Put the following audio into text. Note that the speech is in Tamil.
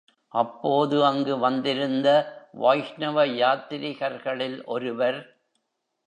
அப்போது அங்கு வந்திருந்த வைஷ்ணவ யாத்திரிகர்களில் ஒருவர்.